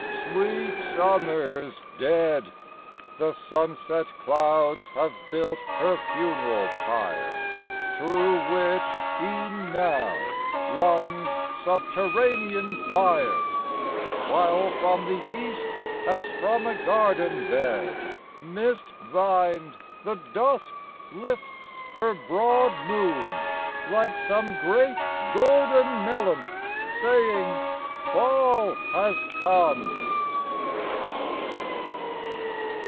sweet Summer's dead! The sunset clouds have built her funeral pyre, Through which, e'en now, runs subterranean fire: While from the East, as from a garden bed, Mist vined, the Dusk lifts her broad moon like some Great golden melon saying, "Fall has come."